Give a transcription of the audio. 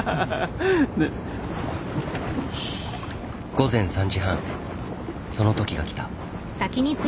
午前３時半その時が来た。